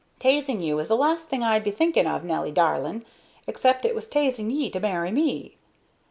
"T'asing you is the last thing I'd be thinking of, Nelly darlin', except it was t'asing ye to marry me.